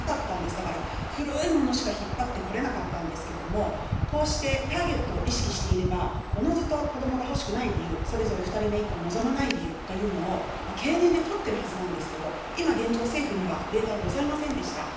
だから古いものしか引っ張ってこれなかったんですけれども、こうしてターゲットを意識していれば、おのずと子どもが欲しくない理由、それぞれ２人目以降を望まない理由というのを、経年で取ってるはずなんですけれども、今現状、政府にはデータはございませんでした。